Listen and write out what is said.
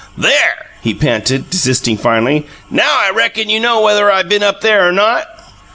"There!" he panted, desisting finally. "NOW I reckon you know whether I been up there or not!"